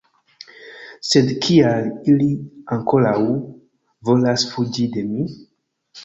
Sed kial ili ankoraŭ volas fuĝi de mi?